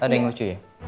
ada yang lucu ya